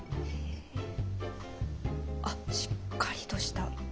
あっしっかりとした。